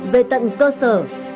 về tận cơ sở